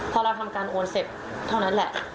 ถ้าเราทำการโอนเสร็จเท่านั้นแหละ